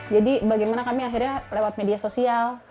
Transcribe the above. jadi bagaimana kami akhirnya lewat media sosial